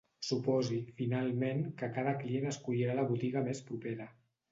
Suposi, finalment, que cada client escollirà la botiga més propera.